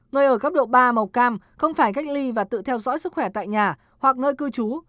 nơi ở góc độ ba màu cam không phải cách ly và tự theo dõi sức khỏe tại nhà hoặc nơi cư trú